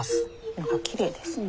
何かきれいですね。